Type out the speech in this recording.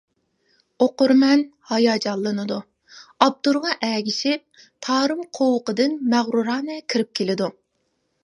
ئوقۇرمەن ھاياجانلىنىدۇ، ئاپتورغا ئەگىشىپ، «تارىم قوۋۇقى» دىن مەغرۇرانە كىرىپ كېلىدۇ.